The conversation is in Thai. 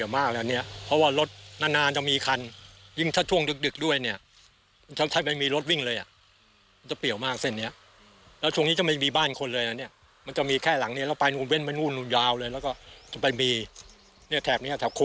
ไม่เคยเลยผมว่าอยู่นี่ก็หลายปีแล้ว